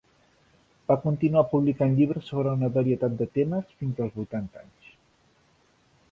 Va continuar publicant llibres sobre una varietat de temes fins als vuitanta anys.